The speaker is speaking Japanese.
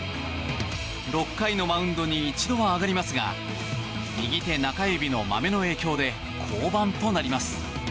６回のマウンドに一度は上がりますが右手中指のまめの影響で降板となります。